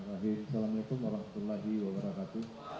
assalamualaikum wr wb